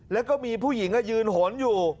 แล้วก็มีผู้หญิงยืนหนอยู่